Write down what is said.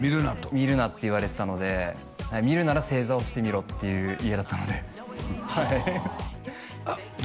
見るなって言われてたので見るなら正座をして見ろっていう家だったので誰？